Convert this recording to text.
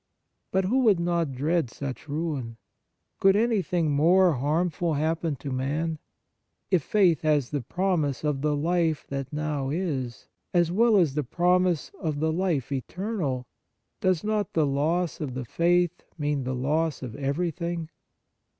But who would not dread such ruin ? Could anything more harm ful happen to man ? If faith has the promise of the life that now is as well as the promise of the life eternal, 60 The Nature of Piety does not the loss of the faith mean the loss of everything